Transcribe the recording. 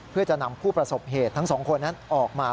เพื่อจะนำผู้ประสบเหตุทั้งสองคนนั้นออกมา